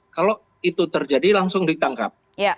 kalau itu terjadi langsung ditangkap